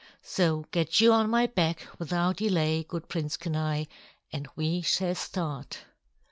So get you on my back without delay, good Prince Kenai, and we shall start."